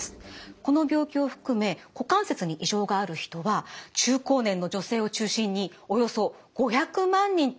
この病気を含め股関節に異常がある人は中高年の女性を中心におよそ５００万人と推計されています。